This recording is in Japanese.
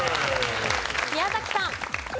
宮崎さん。